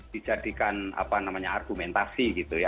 dijadikan argumentasi gitu ya